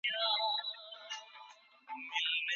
که لومړنۍ تجربې ترخې وي نو رواني ستونزي جوړوي.